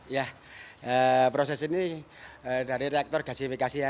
ya proses ini dari rektor gasifikasi ya